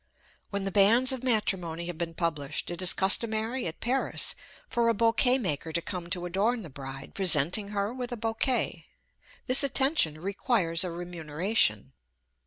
When the banns of matrimony have been published, it is customary at Paris for a bouquet maker to come to adorn the bride, presenting her with a bouquet. This attention requires a remuneration.